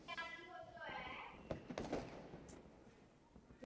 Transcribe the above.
V průběhu volebního období se strana Comet opětovně osamostatnila.